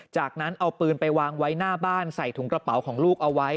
จากนั้นเอาปืนไปวางไว้หน้าบ้านใส่ถุงกระเป๋าของลูกเอาไว้